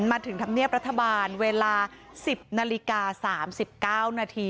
มาถึงธรรมเนียบรัฐบาลเวลา๑๐นาฬิกา๓๙นาที